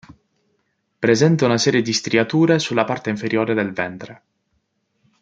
Presenta una serie di striature sulla parte inferiore del ventre.